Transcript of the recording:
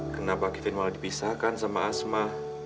kenapa kevin malah dipisahkan sama asma